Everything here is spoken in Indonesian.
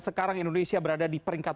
sekarang indonesia berada di peringkat